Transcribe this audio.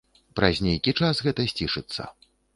Праз нейкі час гэта сцішыцца.